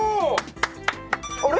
あれ？